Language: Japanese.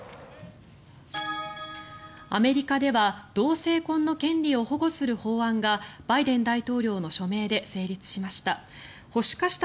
アメリカでは同性婚の権利を保護する法案がバイデン大統領の署名で成立しました。